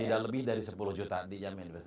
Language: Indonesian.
tidak lebih dari sepuluh juta dijamin